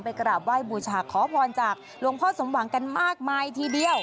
กราบไหว้บูชาขอพรจากหลวงพ่อสมหวังกันมากมายทีเดียว